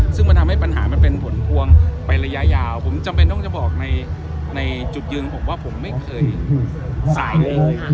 ซึ่งมันทำให้ปัญหามันเป็นผลพวงไประยะยาวผมจำเป็นต้องจะบอกในจุดยืนผมว่าผมไม่เคยสายเลย